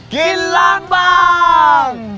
กินล้างบาง